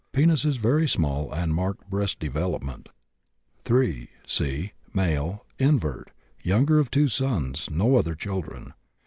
Penis very small and marked breast development. 3. C., male, invert, younger of 2 sons, no other children.